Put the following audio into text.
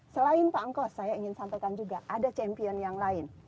selain pak angkos saya ingin sampaikan juga ada champion yang lain